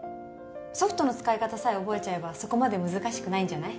ソフトの使い方さえ覚えちゃえばそこまで難しくないんじゃない？